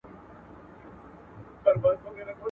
د ټولنیز رفتار کنټرول ممکنه دی.